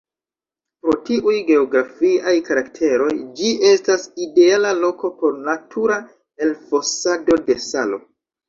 Pro tiuj geografiaj karakteroj, ĝi estas ideala loko por natura elfosado de salo.